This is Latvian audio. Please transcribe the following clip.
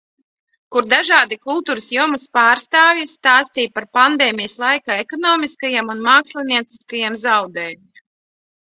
Kur dažādi kultūras jomas pārstāvji stāstīja par Pandēmijas laika ekonomiskajiem un mākslinieciskajiem zaudējumiem.